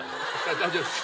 大丈夫です。